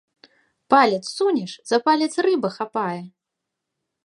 Палец сунеш, за палец рыба хапае!